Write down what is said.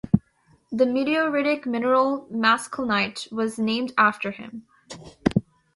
The meteoritic mineral "maskelynite" was named after him.